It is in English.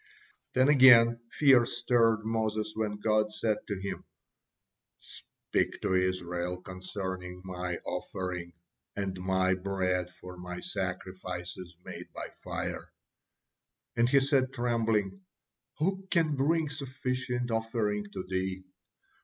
Then again, fear stirred Moses when God said to him: "Speak to Israel concerning My offering, and My bread for My sacrifices made by fire," and he said trembling, "Who can bring sufficient offerings to Thee?